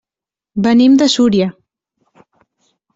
Venim de Súria.